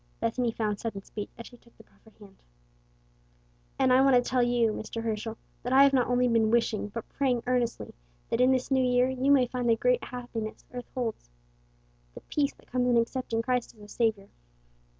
Bethany found sudden speech as she took the proffered hand. "And I want to tell you, Mr. Herschel, that I have not only been wishing, but praying earnestly, that in this new year you may find the greatest happiness earth holds the peace that comes in accepting Christ as a Savior."